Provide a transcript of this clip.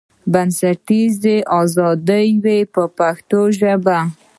بنسټیزه ازادي وي په پښتو ژبه.